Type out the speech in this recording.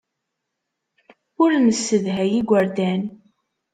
Ur nessedhay igerdan.